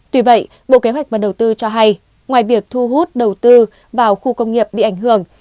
tuy vậy bộ kế hoạch và đầu tư cho hay ngoài việc thu hút đầu tư vào khu công nghiệp bị ảnh hưởng